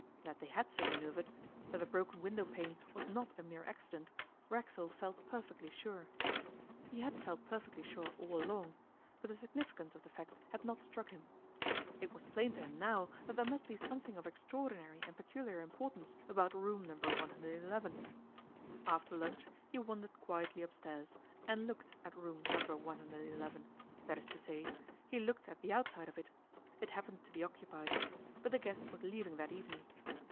That they had so manoeuvred, that the broken window pane was not a mere accident, Racksole felt perfectly sure. He had felt perfectly sure all along; but the significance of the facts had not struck him. It was plain to him now that there must be something of extraordinary and peculiar importance about Room No. 111. After lunch he wandered quietly upstairs and looked at Room No. 111; that is to say, he looked at the outside of it; it happened to be occupied, but the guest was leaving that evening.